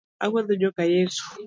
Agwetho joka Yeso.